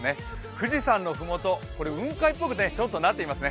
富士山のふもと、雲海っぽくちょっとなっていますね